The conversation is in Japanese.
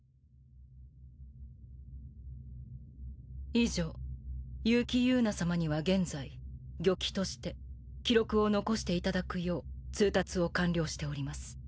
以上結城友奈様には現在御記として記録を残していただくよう通達を完了しております。